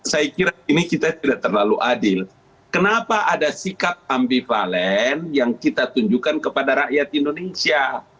saya kira ini kita tidak terlalu adil kenapa ada sikap ambivalen yang kita tunjukkan kepada rakyat indonesia